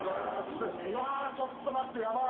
うわちょっと待って。